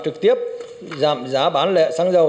trực tiếp giảm giá bán lẹ xăng dầu